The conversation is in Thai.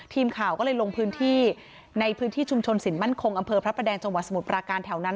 ทีมข่าวก็เลยลงพื้นที่ในพื้นที่ชุมชนสินมั่นคงอำเภอพระประแดงจังหวัดสมุทรปราการแถวนั้น